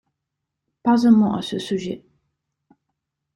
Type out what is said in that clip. Pas un mot à ce sujet.